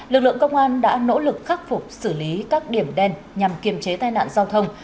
lực lượng công an đã nỗ lực khắc phục xử lý các điểm đen nhằm kiềm chế tai nạn giao thông